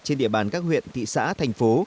trên địa bàn các huyện thị xã thành phố